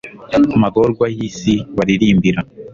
magorwa y'isi, baririmbira